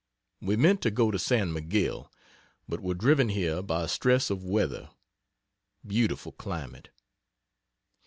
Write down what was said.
We meant to go to San Miguel, but were driven here by stress of weather. Beautiful climate.